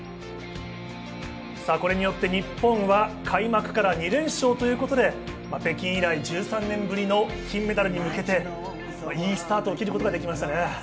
これによって日本は開幕から２連勝ということで北京以来１３年ぶりの金メダルに向けて、いいスタートを切ることができましたね。